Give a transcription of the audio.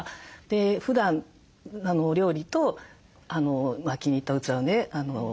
ふだん料理と気に入った器をね